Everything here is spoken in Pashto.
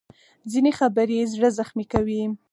ځینې خبرې زړه زخمي کوي